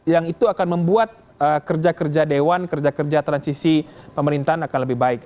yang itu akan membuat kerja kerja dewan kerja kerja transisi pemerintahan akan lebih baik